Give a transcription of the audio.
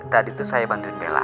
tadi tuh saya bantuin bella